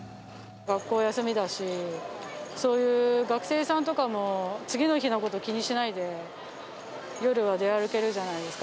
学校休みだし、そういう学生さんとかも次の日のこと、気にしないで夜は出歩けるじゃないですか。